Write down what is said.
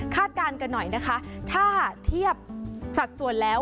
การกันหน่อยนะคะถ้าเทียบสัดส่วนแล้ว